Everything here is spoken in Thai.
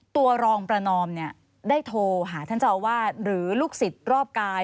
ตัวรองประนอมได้โทรหาท่านเจ้าอาวาสหรือลูกศิษย์รอบกาย